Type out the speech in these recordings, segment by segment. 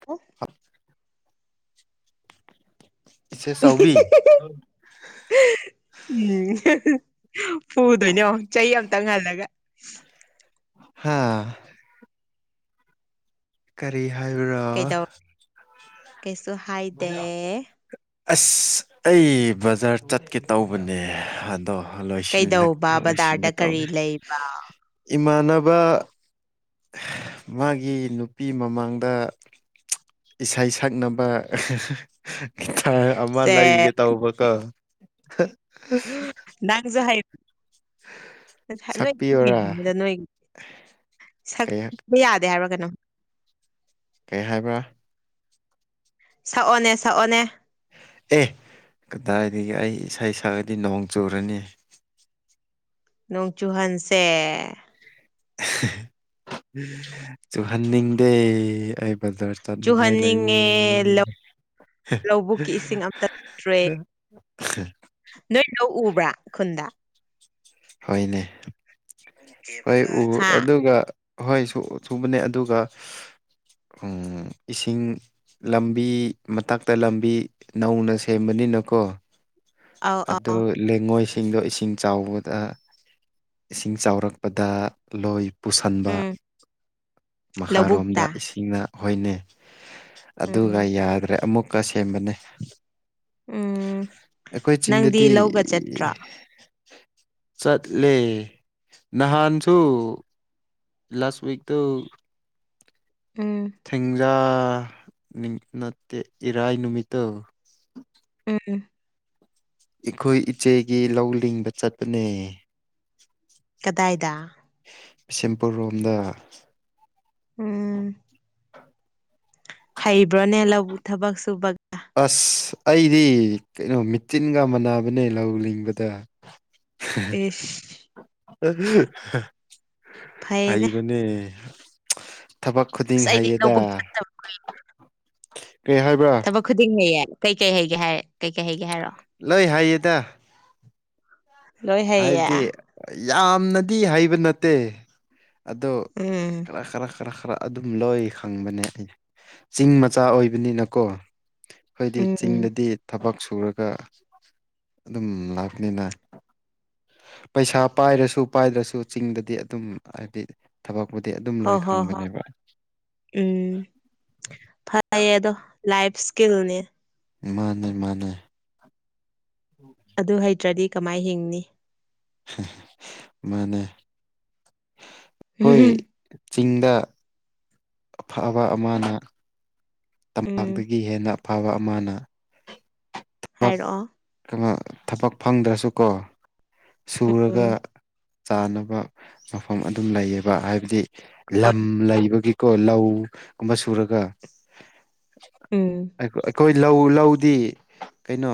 [unintelligible] [inaudible] ꯆꯥꯎꯕꯤ ꯎꯝ ꯄꯨꯗꯣꯏꯅꯣ ꯆꯍꯤ ꯑꯃꯇꯪ ꯍꯜꯂꯒ ꯍꯥꯥ ꯀꯔꯤ ꯍꯥꯏꯕ꯭ꯔꯣ ꯀꯩꯗꯧ ꯀꯩꯁꯨ ꯍꯥꯏꯗꯦ ꯑꯁ ꯑꯩ ꯕꯖꯥꯔ ꯆꯠꯀꯦ ꯇꯧꯕꯅꯦ ꯑꯗꯣ ꯂꯣꯏꯁꯤ ꯀꯩꯗꯧꯕ ꯕꯖꯥꯔꯗ ꯂꯣꯏꯁꯤꯟꯒꯦ ꯀꯔꯤ ꯇꯧꯅꯦ ꯂꯩꯕ ꯏꯃꯥꯟꯅꯕ ꯃꯥꯒꯤ ꯅꯨꯄꯤ ꯃꯃꯥꯡꯗ ꯏꯁꯩ ꯁꯛꯅꯕ ꯒꯤꯇꯔ ꯑꯃ ꯁꯦ ꯂꯩꯒꯦ ꯇꯧꯕꯀꯣ ꯎ ꯅꯪꯁꯨ ꯍꯥꯏ ꯁꯛꯄꯤꯌꯣꯔꯥ ꯅꯣꯏꯗ ꯅꯣꯏ ꯀꯩ ꯁꯛꯄ ꯌꯥꯗꯦ ꯍꯥꯏꯔꯒꯅ ꯀꯩ ꯍꯥꯏꯕ꯭ꯔꯥ ꯁꯛꯑꯣꯅꯦ ꯁꯛꯑꯣꯅꯦ ꯑꯦ ꯀꯗꯥꯏꯗꯒꯤ ꯑꯩ ꯏꯁꯥ ꯏꯁꯥꯑꯗꯤ ꯅꯣꯡ ꯆꯨꯔꯅꯤ ꯅꯣꯡ ꯆꯨꯍꯟꯁꯦ ꯆꯨꯍꯟꯅꯤꯡꯗꯦ ꯑꯩ ꯕꯖꯥꯔ ꯆꯠꯅꯤꯡꯉꯥꯏ ꯂꯩꯌꯦ ꯆꯨꯍꯟꯅꯤꯡꯉꯦ ꯂꯧ ꯂꯧꯕꯨꯛꯀꯤ ꯏꯁꯤꯡ ꯑꯝꯇ ꯂꯩꯇ꯭ꯔꯦ [inaudible] ꯅꯣꯏ ꯂꯧ ꯎꯕ꯭ꯔꯥ ꯈꯨꯟꯗ ꯍꯣꯏꯅꯦ ꯍꯣꯏ ꯎ ꯍꯥ ꯑꯗꯨꯒ ꯍꯣꯏ ꯁꯨꯕꯅꯦ ꯑꯗꯨꯒ ꯎꯝ ꯏꯁꯤꯡ ꯂꯝꯕꯤ ꯃꯇꯛꯇ ꯂꯝꯕꯤ ꯅꯧꯅ ꯁꯦꯝꯕꯅꯤꯅꯀꯣ ꯑꯧ ꯑꯗꯨ ꯑꯧ ꯂꯩꯉꯣꯏꯁꯤꯡꯗꯣ ꯏꯁꯤꯡ ꯆꯥꯎꯕꯗ ꯏꯁꯤꯡ ꯆꯥꯎꯔꯛꯄꯗ ꯂꯣꯏ ꯄꯨꯁꯟꯕ ꯎꯝ ꯃꯈꯥꯔꯣꯝꯗ ꯂꯧꯕꯨꯛꯇ ꯏꯁꯤꯡꯅ ꯍꯣꯏꯅꯦ ꯑꯗꯨꯒ ꯎꯝ ꯌꯥꯗ꯭ꯔꯦ ꯑꯃꯨꯛꯀ ꯁꯦꯝꯕꯅꯦ ꯎꯝ ꯑꯩꯈꯣꯏ ꯅꯪꯗꯤ ꯆꯤꯡꯗꯗꯤ ꯂꯧꯒ ꯆꯠꯇ꯭ꯔꯣ ꯆꯠꯂꯦ ꯅꯍꯥꯟꯁꯨ ꯂꯥꯁ ꯋꯤꯛ ꯇ ꯎꯝ ꯊꯦꯡꯖꯥ ꯅꯠꯇꯦ ꯏꯔꯥꯏ ꯅꯨꯃꯤꯠꯇꯧ ꯎꯝ ꯑꯩꯈꯣꯏ ꯏꯆꯦꯒꯤ ꯂꯧ ꯂꯤꯡꯕ ꯆꯠꯄꯅꯦ ꯀꯗꯥꯏꯗ ꯕꯤꯁꯦꯝꯄꯨꯔ ꯔꯣꯝꯗ ꯎꯝ ꯍꯩꯕ꯭ꯔꯣꯅꯦ ꯂꯧꯕ ꯊꯕꯛ ꯁꯨꯕ ꯑꯁ ꯑꯩꯗꯤ ꯀꯩꯅꯣ ꯃꯤꯇꯤꯟꯒ ꯃꯥꯟꯅꯕꯅꯦ ꯂꯧ ꯂꯤꯡꯕꯗ ꯏꯁ [inaudible] ꯐꯩꯅꯦ ꯍꯩꯕꯅꯦ ꯊꯕꯛ ꯈꯨꯗꯤꯡ ꯑꯁ ꯑꯩꯗꯤ ꯍꯩꯌꯦꯗ ꯂꯧꯕꯨꯛ ꯆꯠꯇꯕ ꯀꯩ ꯍꯥꯏꯕ꯭ꯔꯥ ꯍ ꯈꯨꯗꯤꯡ ꯍꯩꯌꯦ ꯀꯩꯀꯩ ꯍꯒꯦ ꯍꯥꯏꯔꯦ ꯀꯩꯀꯩ ꯍꯩꯒꯦ ꯍꯥꯏꯔꯛꯣ ꯂꯩ ꯍꯥꯏꯌꯦꯗ ꯂꯣꯏ ꯍꯩꯌꯦ ꯍꯥꯏꯕꯗꯤ ꯌꯥꯝꯅꯗꯤ ꯍꯩꯕ ꯅꯠꯇꯦ ꯑꯗꯣ ꯎꯝ ꯈꯔ ꯈꯔ ꯈꯔ ꯈꯔ ꯑꯗꯨꯝ ꯂꯣꯏ ꯈꯪꯕꯅꯦ ꯑꯩ ꯆꯤꯡ ꯃꯆꯥ ꯑꯣꯏꯕꯅꯤꯅꯀꯣ ꯑꯩꯣꯏꯗꯤ ꯎꯝ ꯆꯤꯡꯗꯗꯤ ꯊꯕꯛ ꯁꯨꯔꯒ ꯑꯗꯨꯝ ꯂꯥꯛꯅꯤꯅ ꯄꯩꯁꯥ ꯄꯥꯏꯔꯁꯨ ꯄꯥꯏꯗ꯭ꯔꯁꯨ ꯆꯤꯡꯗꯗꯤ ꯑꯗꯨꯝ ꯍꯥꯏꯕꯗꯤ ꯊꯕꯛꯄꯨꯗꯤ ꯑꯗꯨꯝ ꯍꯣ ꯂꯣꯏ ꯍꯣ ꯍꯣꯏ ꯈꯪꯕꯅꯦꯕ ꯎꯝ ꯐꯩꯌꯦ ꯑꯗꯣ ꯂꯥꯏꯐ ꯏꯁꯀꯤꯜꯅꯤ ꯃꯥꯅꯦ ꯃꯥꯅꯦ ꯑꯗꯨ ꯍꯩꯇ꯭ꯔꯗꯤ ꯀꯃꯥꯏ ꯍꯤꯡꯅꯤ ꯃꯅꯦ ꯑꯩꯈꯣꯏ ꯆꯤꯡꯗ ꯑꯐꯕ ꯑꯃꯅ ꯎꯝ ꯇꯝꯄꯥꯛꯇꯒꯤ ꯍꯦꯟꯅ ꯑꯐꯕ ꯑꯃꯅ ꯊꯕ ꯍꯥꯏꯔꯛꯑꯣ ꯀꯩꯅꯣ ꯊꯕꯛ ꯐꯪꯗ꯭ꯔꯁꯨꯀꯣ ꯁꯨꯔꯒ ꯎꯝ ꯆꯥꯅꯕ ꯃꯐꯝ ꯑꯗꯨꯝ ꯂꯩꯌꯦꯕ ꯍꯥꯏꯕꯗꯤ ꯍꯣꯏ ꯂꯝ ꯍꯣꯏ ꯂꯩꯕꯒꯤꯀꯣ ꯂꯧꯒꯨꯝꯕ ꯁꯨꯔꯒ ꯎꯝ ꯑꯩꯈꯣꯏ ꯂꯧ ꯂꯧꯗꯤ ꯀꯩꯅꯣ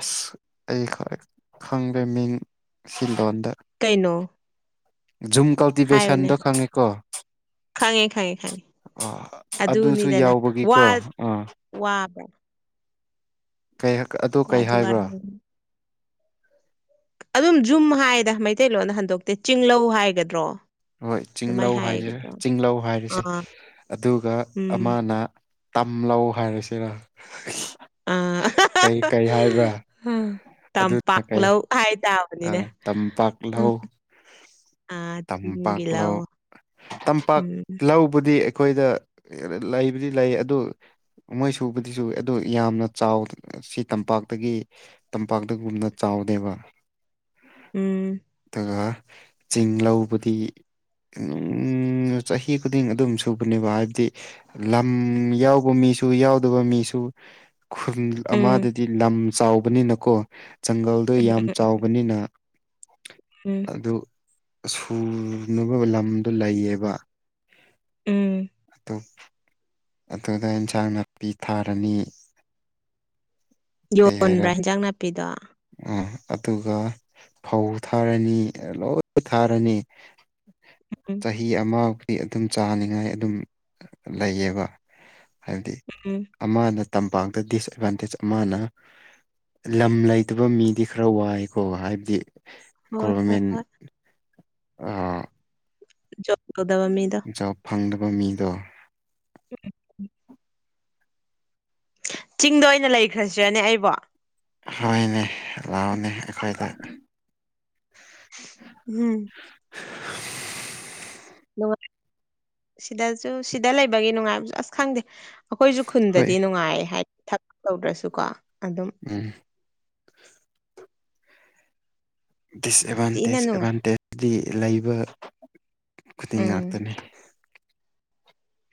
ꯑꯁ ꯑꯩ ꯈꯔ ꯈꯪꯗꯦ ꯃꯤꯡ ꯁꯤꯂꯗ ꯀꯩꯅꯣ ꯖꯨꯝ ꯍꯥꯏꯌꯨꯅꯦ ꯀꯜꯇꯤꯚꯦꯁꯟꯗꯣ ꯈꯪꯉꯤꯀꯣ ꯈꯪꯉꯦ ꯈꯪꯉꯦ ꯈꯪꯉꯦ ꯑꯗꯨꯁꯨ ꯑꯗꯨꯅꯤꯗꯅ ꯌꯥꯎꯕꯒꯤꯀꯣ ꯑꯥ ꯋꯥꯕ ꯀꯩ ꯑꯗꯨ ꯀꯩ ꯋꯥꯗꯤ ꯍꯥꯏꯕ꯭ꯔꯣ ꯋꯥꯔꯝꯒꯅꯤ ꯑꯗꯨꯝ ꯖꯨꯝ ꯍꯥꯏꯗ ꯃꯩꯇꯩꯂꯣꯟꯗ ꯍꯟꯗꯣꯛꯇꯦ ꯆꯤꯡꯂꯧ ꯍꯥꯏꯒꯗ꯭ꯔꯣ ꯍꯣꯏ ꯑꯗꯨꯃꯥꯏ ꯆꯤꯡꯂꯧ ꯍꯥꯏꯔꯤ ꯍꯥꯏꯒꯗ꯭ꯔꯣ ꯆꯤꯡꯂꯧ ꯍꯥꯏꯔꯤꯁꯦ ꯑꯥ ꯑꯗꯨꯒ ꯎꯝ ꯑꯃꯅ ꯇꯝꯂꯧ ꯍꯥꯏꯔꯁꯤꯔ ꯀꯩ ꯀꯔꯤ ꯍꯥꯏꯕ꯭ꯔꯥ ꯑ ꯑꯗꯨꯅ ꯀꯩ ꯇꯝꯄꯥꯛꯂꯧ ꯍꯥꯏ ꯇꯕꯅꯤꯅꯦ ꯑꯥ ꯇꯝꯄꯥꯛ ꯎꯝ ꯂꯧ ꯑ ꯇꯝꯄꯥꯛ ꯇꯒ ꯂꯧ ꯂꯑꯣ ꯇꯝꯄꯥꯛ ꯂꯧꯕꯗꯤ ꯑꯩꯈꯣꯏꯗ ꯂꯩꯕꯨꯗꯤ ꯂꯩ ꯑꯗꯨ ꯃꯣꯏ ꯁꯨꯕꯗꯨꯁꯨ ꯑꯗꯨ ꯌꯥꯝꯅ ꯆꯥꯎ ꯁꯤ ꯇꯝꯄꯥꯛꯇꯒꯤ ꯇꯝꯄꯥꯛꯇꯒꯨꯝꯅ ꯆꯥꯎꯗꯦꯕ ꯎꯝ ꯑꯗꯨꯒ ꯆꯤꯡ ꯂꯧꯕꯗꯤ ꯆꯍꯤ ꯈꯨꯗꯤꯡ ꯑꯗꯨꯝ ꯁꯨꯕꯅꯦꯕ ꯍꯥꯏꯕꯗꯤ ꯂꯝ ꯌꯥꯎꯕ ꯃꯤꯁꯨ ꯌꯥꯎꯗꯕ ꯃꯤꯁꯨ ꯈꯨꯜ ꯎꯝ ꯑꯃꯗꯗꯤ ꯂꯝ ꯆꯥꯎꯕꯅꯤꯅꯀꯣ ꯖꯪꯒꯜꯗ ꯌꯥꯝ ꯆꯥꯎꯕꯅꯤꯅ ꯎꯝ꯫ ꯑꯗꯨ ꯁꯨꯅꯕ ꯂꯝꯗꯣ ꯂꯩꯌꯦꯕ ꯎꯝ꯫ ꯑꯗꯨ ꯑꯗꯨꯗ ꯑꯦꯟꯁꯥꯡ ꯅꯥꯄꯤ ꯊꯥꯔꯅꯤ ꯌꯣꯟꯕ꯭ꯔꯥ ꯍꯟꯖꯥꯡ ꯅꯥꯄꯤꯗꯣ ꯎꯝ ꯑꯗꯨꯒ ꯐꯧ ꯊꯥꯔꯅꯤ ꯂꯣꯏꯅ ꯊꯥꯔꯅꯤ ꯎꯝ ꯆꯍꯤ ꯑꯃꯃꯨꯗꯤ ꯑꯗꯨꯝ ꯆꯥꯅꯤꯡꯉꯥꯏ ꯑꯗꯨꯝ ꯂꯩꯌꯦꯕ ꯍꯥꯏꯗꯤ ꯎꯝ ꯑꯃꯅ ꯇꯝꯄꯥꯛꯇ ꯗꯤꯁꯑꯦꯠꯕꯥꯟꯇꯦꯖ ꯑꯃꯅ ꯂꯝ ꯂꯩ ꯇꯕꯥ ꯃꯤꯗꯤ ꯈꯔ ꯋꯥꯏꯀꯣ ꯍꯥꯏꯕꯗꯤ ꯍꯣꯏ ꯍꯣꯏ ꯒꯣꯕꯔꯃꯦꯟ ꯍꯣꯏ ꯑꯥ ꯆꯠꯒꯗꯕꯃꯤꯗꫭ ꯖꯣꯕ ꯐꯪꯗꯕ ꯃꯤꯗꯣ ꯎꯝ [inaudible] ꯆꯤꯡꯗ ꯑꯣꯏꯅ ꯂꯩꯈ꯭ꯔꯁꯤꯔꯅꯦ ꯑꯩꯕꯣ ꯍꯣꯏꯅꯦ ꯂꯥꯎꯅꯦ ꯑꯩꯈꯣꯏꯗ ꯎꯝ꯫ ꯅꯨꯡꯉꯥꯏ ꯁꯤꯗꯁꯨ ꯁꯤꯗ ꯂꯩꯕꯒꯤ ꯅꯨꯡꯉꯥꯏꯕꯁꯨ ꯑꯁ ꯈꯪꯗꯦ ꯑꯩꯈꯣꯏꯁꯨ ꯍꯣꯏ ꯈꯨꯟꯗꯗꯤ ꯅꯨꯡꯉꯥꯏ ꯍꯥꯏꯗꯤ ꯊꯕꯛ ꯇꯧꯗ꯭ꯔꯁꯨ ꯀꯣ ꯑꯗꯨꯝ ꯎꯝ꯫ ꯊꯤꯅ ꯗꯤꯁꯑꯦꯠꯚꯥꯟꯇꯦꯖ ꯅꯨꯡꯉꯥꯏ ꯑꯦꯗꯚꯥꯟꯇꯦꯖꯇꯗꯤ ꯂꯩꯕ ꯈꯨꯗꯤꯡ ꯎꯝ ꯉꯥꯛꯇꯅꯦ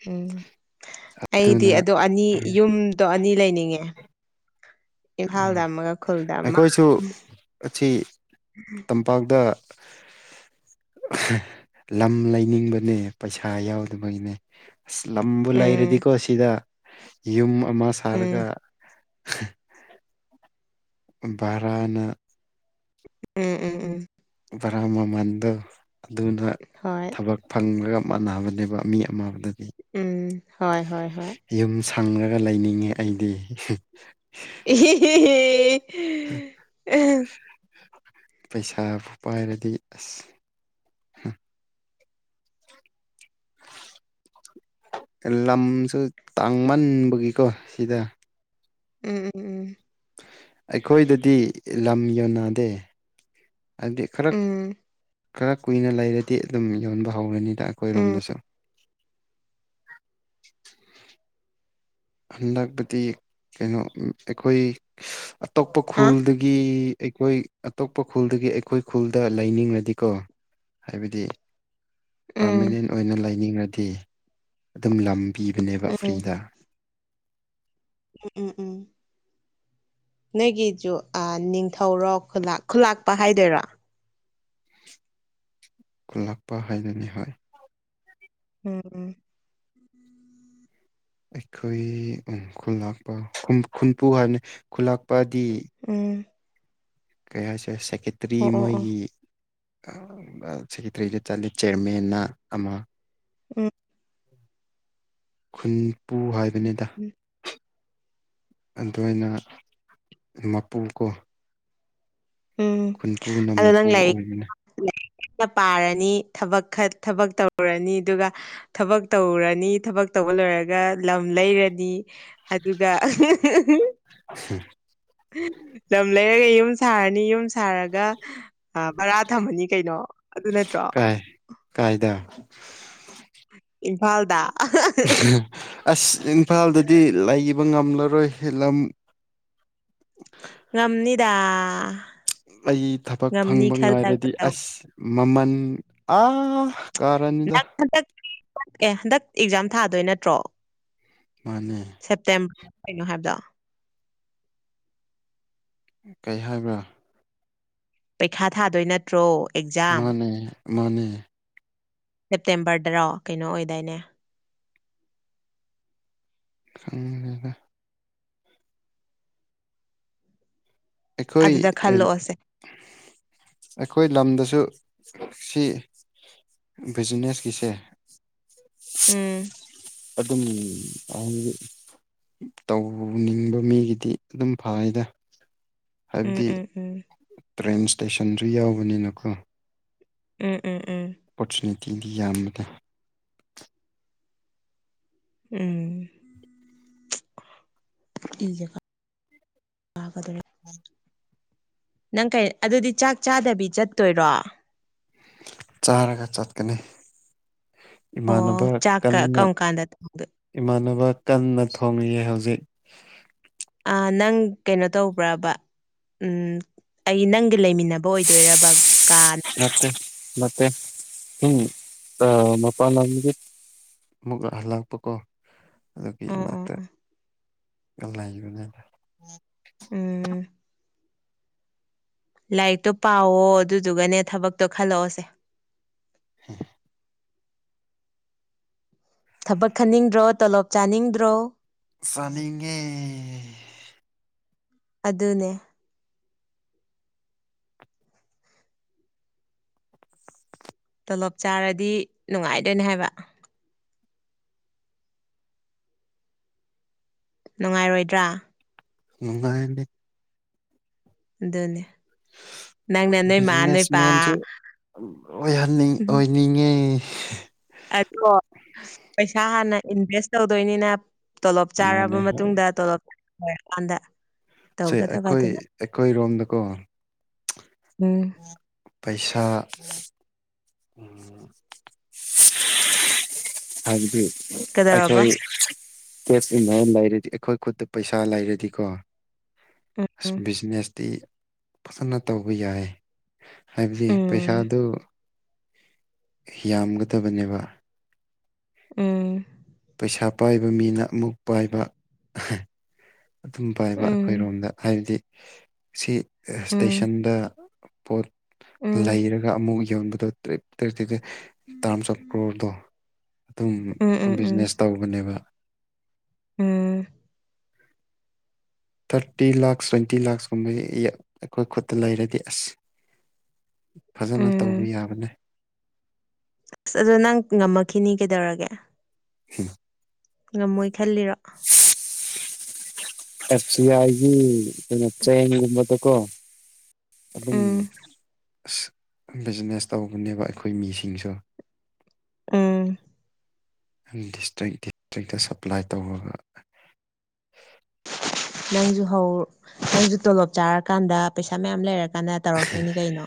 ꯎꯝ ꯑꯩꯗꯤ ꯑꯗꯣ ꯑꯅꯤ ꯌꯨꯝꯗꯣ ꯑꯅꯤ ꯂꯩꯅꯤꯡꯉꯦ꯫ ꯏꯝꯐꯥꯜꯗ ꯑꯃꯒ ꯈꯨꯜꯗ ꯑꯃ ꯑꯩꯈꯣꯏꯁꯨ ꯄꯥꯎꯗ ꯂꯝ ꯂꯩꯅꯤꯡꯕꯅꯦ ꯄꯩꯁꯥ ꯌꯥꯎꯗꯕꯒꯤꯅꯦ ꯑꯁ ꯂꯝꯕꯨ ꯎꯝ ꯂꯩꯔꯗꯤꯀꯣ ꯁꯤꯗ ꯌꯨꯝ ꯑꯃ ꯎꯝ ꯁꯥꯔꯒ [inaudible] ꯕꯔꯅ ꯎꯝ ꯎꯝ ꯎꯝ ꯕꯔꯥ ꯃꯃꯥꯟꯗꫭ ꯑꯗꯨꯅ ꯍꯣꯏ ꯊꯕꯛ ꯐꯪꯂꯒ ꯃꯥꯟꯅꯕꯅꯦꯕ ꯃꯤ ꯑꯃꯗ ꯎꯝ ꯍꯣꯏ ꯍꯣꯏ ꯍꯣꯏ ꯌꯨꯝ ꯁꯪꯉꯒ ꯂꯩꯅꯤꯡꯉꯦ ꯑꯩꯗꯤ ꯏꯍꯤ ꯍꯤ ꯍꯤ [unintelligible] ꯄꯩꯁꯥꯕꯨ ꯄꯥꯏꯔꯗꯤ ꯑꯁ ꯂꯝꯁꯨ ꯇꯥꯡꯃꯟꯕꯒꯤꯀꯣ ꯁꯤꯗ ꯎꯝ ꯎꯝ ꯎꯝ ꯑꯩꯈꯣꯏꯗꯗꯤ ꯂꯝ ꯌꯣꯟꯅꯗꯦ ꯍꯥꯏꯕꯗꯤ ꯈꯔ ꯎꯝ ꯎꯝ ꯈꯔ ꯀꯨꯏꯅ ꯂꯩꯔꯗꯤ ꯑꯗꯨꯝ ꯌꯣꯟꯕ ꯍꯧꯔꯅꯤꯗ ꯎꯝ ꯑꯩꯈꯣꯏꯔꯣꯝꯗꯁꯨ ꯍꯟꯗꯛꯄꯗꯤ ꯀꯩꯅꯣ ꯑꯩꯈꯣꯏ ꯑꯇꯣꯞꯄ ꯍꯥ ꯈꯨꯜꯗꯒꯤ ꯒꯤ ꯑꯩꯈꯣꯏ ꯑꯇꯣꯞꯄ ꯈꯨꯜꯗꯒꯤ ꯑꯩꯈꯣꯏ ꯈꯨꯜꯗ ꯂꯩꯅꯤꯡꯉꯗꯤꯀꯣ ꯍꯥꯏꯕꯗꯤ ꯎꯝ ꯄ꯭ꯔꯃꯅꯦꯟ ꯑꯣꯏꯅ ꯂꯩꯅꯤꯡꯉꯗꯤ ꯑꯗꯨꯝ ꯂꯝ ꯄꯤꯕꯅꯦꯕ ꯐ꯭ꯔꯤꯗ ꯎꯝ ꯎꯝ ꯎꯝ ꯅꯣꯏꯒꯤꯖꯨ ꯑ ꯅꯤꯡꯊꯧꯔꯣ ꯈꯨꯜꯂꯥꯛ ꯈꯨꯜꯂꯥꯛꯄ ꯍꯥꯏꯗꯣꯏꯔꯣ ꯈꯨꯜꯂꯛꯄ ꯍꯥꯏꯗꯨꯢꯅꯦꯕ ꯎꯝ ꯎꯝ ꯑꯩꯈꯣꯏ ꯎ ꯈꯨꯜ ꯂꯥꯛꯄ ꯈꯨꯟꯄꯨ ꯍꯥꯏꯕꯅꯤ ꯈꯨꯜ ꯂꯥꯛꯄꯗꯤ ꯎꯝ ꯀꯩ ꯍꯥꯏꯁꯦ ꯁꯦꯀꯦꯇ꯭ꯔꯤ ꯑꯣ ꯑꯣ ꯑꯣ ꯃꯣꯏꯒꯤ ꯁꯦꯀꯦꯇ꯭ꯔꯤꯗ ꯆꯜꯂꯤꯠꯂꯤ ꯆꯤꯌ꯭ꯔꯃꯦꯟꯅ ꯑꯃ ꯎꯝ ꯈꯨꯟꯄꯨ ꯍꯥꯏꯕꯅꯤꯗ ꯎꯝ ꯑꯗꯨꯅ ꯃꯄꯨꯀꯣ ꯎꯝ ꯑꯗꯅ ꯃꯄꯨ ꯂꯥꯏꯛ ꯑꯣꯏꯕꯅꯦ ꯂꯥꯏꯔꯤꯛ ꯄꯥꯔꯅꯤ ꯊꯕꯛ ꯈ ꯊꯕꯛ ꯇꯧꯔꯅꯤ ꯑꯗꯨꯒ ꯊꯕꯛ ꯇꯧꯔꯅꯤ ꯊꯕꯛ ꯇꯧꯕ ꯂꯣꯏꯔꯒ ꯂꯝ ꯂꯩꯔꯅꯤ ꯑꯗꯨꯒ ꯎ ꯂꯝ ꯂꯩꯔꯒ ꯌꯨꯝ ꯁꯥꯔꯅꯤ ꯌꯨꯝ ꯁꯥꯔꯒ ꯚꯔꯥ ꯊꯝꯃꯅꯤ ꯀꯩꯅꯣ ꯑꯗꯨ ꯅꯠꯇ꯭ꯔꯣ ꯀꯥꯏ ꯀꯥꯏꯗ ꯏꯝꯐꯥꯜꯗ ꯑ ꯑꯁ ꯏꯝꯐꯥꯜꯗꯗꯤ ꯂꯩꯕ ꯉꯝꯂꯔꯣꯏꯂꯝ ꯉꯝꯅꯤꯗꯥ ꯑꯩ ꯊꯕꯛ ꯐꯪꯕ ꯉꯥꯏꯔꯗꯤ ꯇꯧ ꯑꯁ ꯃꯃꯜ ꯑꯥ ꯀꯥꯔꯥꯅꯤꯗ ꯅꯪ ꯍꯟꯗꯛ ꯑꯦ ꯍꯟꯗꯛ ꯑꯦꯛꯖꯥꯝ ꯊꯥꯗꯣꯏ ꯅꯠꯇ꯭ꯔꯣ ꯃꯥꯅꯦ ꯁꯦꯞꯇꯦꯝꯕꯔꯗ ꯀꯩꯅꯣ ꯍꯥꯏꯕꯗꯣ ꯀꯩ ꯍꯥꯏꯕ꯭ꯔꯥ ꯄꯩꯈꯥ ꯊꯥꯗꯣꯏ ꯅꯠꯇ ꯇꯣ ꯑꯦꯛꯖ ꯃꯥꯅꯦ ꯃꯥꯅꯦ ꯁꯦꯞꯇꯦꯝꯕꯔꯗꯔꯣ ꯀꯩꯅꯣ ꯑꯣꯏꯗꯥꯏꯅꯦ ꯈꯪꯔꯦꯗ ꯑꯩꯈꯣꯏ ꯑꯗꯨꯗ ꯈꯜꯂꯛꯑꯣꯁꯦ ꯑꯩꯈꯣꯏ ꯂꯝꯗꯁꯨ ꯁꯤ ꯕꯤꯖꯤꯅꯦꯁꯀꯤꯁꯦ ꯎꯝ ꯑꯗꯨꯝ ꯇꯧꯅꯤꯡꯕ ꯃꯤꯒꯤꯗꯤ ꯑꯗꯨꯝ ꯐꯩꯗ ꯎꯝ ꯍꯥꯏꯕꯗꯤ ꯎꯝ ꯎꯝ ꯇ꯭ꯔꯦꯟ ꯏꯁꯇꯦꯁꯟꯗꯨ ꯌꯥꯎꯕꯅꯤꯅꯀꯣ ꯎꯝ ꯎꯝ ꯎꯝ ꯑꯣꯄꯣꯔꯆꯨꯅꯤꯇꯤꯗꯤ ꯌꯥꯝꯕꯗ ꯎꯝꯦ ꯀ ꯎꯝ ꯅꯪ ꯀꯩ ꯑꯗꯨꯗꯤ ꯆꯥꯛ ꯆꯥꯗꯕꯤ ꯆꯠꯇꯣꯏꯔꯣ ꯆꯥꯔꯒ ꯆꯠꯀꯅꯤ ꯑꯣ ꯏꯃꯥꯟꯅꯕ ꯆꯥꯛꯀ ꯀꯟꯅ ꯀꯔꯝ ꯀꯥꯟꯗꯗꯣꯏ ꯏꯃꯥꯟꯅꯕ ꯀꯟꯅ ꯊꯣꯡꯉꯑ ꯍꯧꯖꯤꯛ ꯅꯪ ꯀꯩꯅꯣ ꯇꯧꯕ꯭ꯔꯕ ꯑꯩ ꯅꯪꯒꯤ ꯂꯩꯃꯤꯟꯅꯕ ꯕ ꯑꯣꯏꯗꯣꯏꯔꯕ ꯀꯥ ꯃꯦ ꯃꯦ ꯎꯝ ꯑ ꯃꯄꯥꯒꯤ ꯑꯃꯨꯛꯍꯜꯂꯥꯛꯄ ꯀꯣ ꯑꯗꯨꯒꯤ ꯑꯣ ꯑꯣ ꯏꯅꯥꯛꯇ ꯑꯣ ꯂꯩꯕꯅꯤꯅ ꯎꯝ ꯂꯥꯏꯔꯤꯛꯇꯣ ꯄꯥꯎꯋꯣ ꯑꯗꯨꯗꯨꯒꯅꯦ ꯊꯕꯛꯇꯣ ꯈꯜꯂꯛꯑꯣꯁꯦ ꯍ ꯊꯕꯛ ꯈꯟꯅꯤꯡꯗ꯭ꯔꯣ ꯇꯣꯂꯣꯞ ꯆꯥꯅꯤꯡꯗ꯭ꯔꯣ ꯆꯅꯤꯡꯉꯦ ꯑꯗꯨꯅꯦ ꯇꯣꯂꯣꯞ ꯆꯥꯔꯗꯤ ꯅꯨꯡꯉꯥꯏꯗꯣꯏꯅꯦ ꯍꯥꯏꯕ ꯅꯨꯡꯉꯥꯏꯔꯣꯏꯗ꯭ꯔꯥ ꯅꯨꯡꯉꯥꯏꯅꯤ ꯑꯗꯨꯅꯦ ꯅꯪꯅ ꯅꯣꯏ ꯃꯥ ꯅꯣꯏ ꯕꯤꯖꯤꯅꯦꯁ ꯄꯥ ꯃꯦꯟꯁꯨ ꯑꯣꯏꯍꯟꯅꯤꯡ ꯑꯣꯏꯅꯤꯡꯉꯦ ꯑꯣ ꯄꯩꯁꯥ ꯍꯥꯟꯅ ꯏꯟꯚꯦꯁ ꯇꯧꯗꯣꯏꯅꯤꯅ ꯇꯣꯂꯣꯞ ꯆꯥꯔꯕ ꯃꯥꯅꯦ ꯍꯣꯏ ꯃꯇꯨꯡꯗ ꯇꯣꯂꯣꯞ ꯂꯣꯏꯔꯀꯥꯟꯗ ꯁ ꯇꯧꯒꯗꯕ ꯑꯩꯈꯣꯏ ꯑꯗꯨꯅ ꯑꯩꯈꯣꯏꯔꯣꯝꯗꯀꯣ ꯎꯝ ꯄꯩꯁꯥ ꯍꯥꯏꯕꯤ ꯀꯩꯗꯧꯔꯕ ꯑꯩꯈꯣꯏ ꯀꯦꯞꯁ ꯏꯟꯖꯟ ꯂꯩꯔꯗꯤ ꯑꯩꯈꯣꯏ ꯈꯨꯠꯇ ꯄꯩꯁꯥ ꯂꯩꯔꯗꯤꯀꯣ ꯑꯁ ꯎꯝ ꯕꯤꯖꯤꯅꯦꯁꯇꯤ ꯐꯖꯅ ꯇꯧꯕ ꯌꯥꯏ ꯍꯥꯏꯕꯗꯤ ꯎꯝ ꯄꯩꯁꯥꯗꯨ ꯌꯥꯝꯒꯗꯕꯅꯦꯕ ꯎꯝ ꯄꯩꯁꯥ ꯄꯥꯏꯕ ꯃꯤꯅ ꯑꯃꯨꯛ ꯄꯥꯏꯕ ꯑꯗꯨꯝ ꯄꯥꯏꯕ ꯎꯝ ꯑꯩꯈꯣꯏꯔꯣꯝꯗ ꯍꯥꯏꯕꯗꯤ ꯁꯤ ꯎꯝ ꯏꯁꯇꯦꯁꯟꯗ ꯄꯣꯠ ꯎꯝ ꯎꯝ ꯂꯩꯔꯒ ꯑꯃꯨꯛ ꯌꯣꯟꯕꯗꯣ ꯇ꯭ꯔꯦꯞ ꯇꯔꯤ ꯇ ꯇꯔꯥꯃ ꯆ ꯀ꯭ꯔꯣꯔꯗꯣ ꯑꯗꯨꯝ ꯎꯝ ꯎꯝ ꯎꯝ ꯕꯤꯖꯤꯅꯦꯁ ꯇꯧꯕꯅꯦꯕ ꯎꯝ ꯊꯥꯔꯇꯤ ꯂꯥꯛꯁ ꯇ꯭ꯋꯦꯟꯇꯤ ꯂꯥꯛꯁ ꯀꯨꯝꯕ ꯑꯩꯈꯣꯏ ꯈꯨꯠꯇ ꯂꯩꯔꯗꯤ ꯑꯁ ꯐꯖꯅ ꯎꯝ ꯇꯧꯕ ꯌꯥꯕꯅꯦ ꯑꯁ ꯑꯗꯣ ꯅꯪ ꯉꯝꯃꯛꯈꯤꯅꯤ ꯀꯩꯗꯧꯔꯒꯦ ꯎꯝ ꯉꯝꯃꯣꯏ ꯈꯜꯂꯤꯔꯣ [unintelligible] ꯀꯞꯆ ꯍꯥꯏꯒꯤꯅꯞꯆ ꯌꯦꯡꯒꯨꯝꯕ ꯇ ꯀꯣ ꯑꯗꯨꯝ ꯎꯝ ꯕꯤꯖꯤꯅꯦꯁ ꯇꯧꯧꯕꯅꯦꯕ ꯑꯩꯈꯣꯏ ꯃꯤꯁꯤꯡꯁꯨ ꯎꯝ ꯗꯤꯁꯇ꯭ꯔꯤꯛ ꯗꯤꯁꯇ꯭ꯔꯤꯛꯇ ꯁꯄ꯭ꯂꯥꯏ ꯇꯧꯔꯒ ꯅꯪꯁꯨ ꯍꯧ ꯅꯪꯁꯨ ꯇꯣꯂꯣꯞ ꯆꯥꯔꯀꯥꯟꯗ ꯄꯩꯁꯥ ꯃꯌꯥꯝ ꯂꯩꯔꯀꯥꯟꯗ ꯇꯧꯔꯛꯇꯣꯏꯅꯤ ꯀꯩꯅꯣ